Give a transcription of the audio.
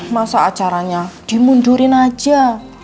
masa acaranya dimundurin aja